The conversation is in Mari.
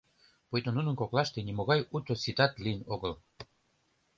Пуйто нунын коклаште нимогай уто ситат лийын огыл.